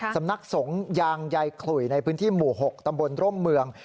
สำนักสงฆ์ยางใยขลุยในพื้นที่หมู่๖ตำบลร่มเมือง